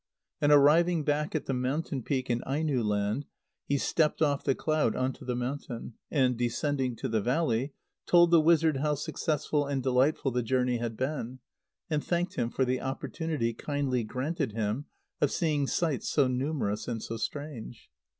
On arriving back at the mountain peak in Aino land, he stepped off the cloud on to the mountain, and, descending to the valley, told the wizard how successful and delightful the journey had been, and thanked him for the opportunity kindly granted him of seeing sights so numerous and so strange.